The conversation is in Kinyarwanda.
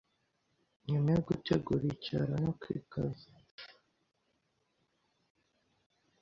Nyuma yo gutegura iyiaro no kwiaza asangwa ashyitsi a arahasesekaye aukereye